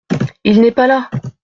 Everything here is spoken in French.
Il n’est pas là !